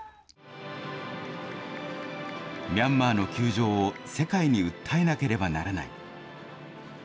ミャンマーの窮状を世界に訴えなければならない。